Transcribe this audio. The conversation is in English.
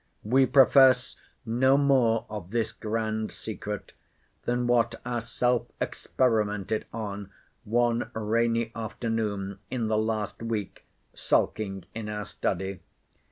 We profess no more of this grand secret than what ourself experimented on one rainy afternoon in the last week, sulking in our study.